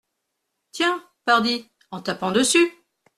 Tiens ! pardi ! en tapant dessus.